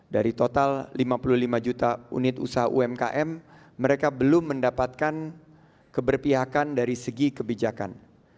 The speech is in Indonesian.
dari total lima puluh lima juta unit usaha umkm mereka belum mendapatkan keberpihakan dari segi kebijakan